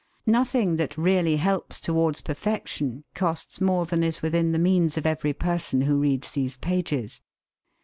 Nothing that really helps towards perfection costs more than is within the means of every person who reads these pages.